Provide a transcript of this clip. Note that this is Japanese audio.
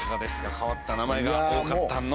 変わった名前が多かったの。